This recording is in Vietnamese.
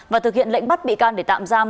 và thực hiện lệnh bắt bị can để tạm giam